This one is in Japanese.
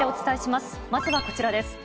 まずはこちらです。